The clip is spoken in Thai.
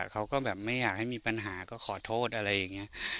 เขาก็แบบไม่อยากให้มีปัญหาก็ขอโทษอะไรอย่างนี้